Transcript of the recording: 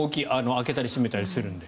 開けたり閉めたりするので。